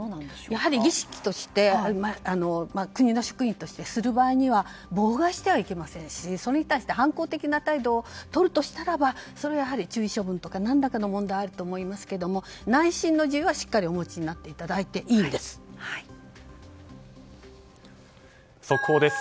やはり儀式として国の祝意としてする場合には妨害してはいけませんしそれに対して反抗的な態度をとるとしたならばそれは注意処分とか何らかの問題があると思いますけど内心の自由はしっかりお持ちになっていただいていいんです。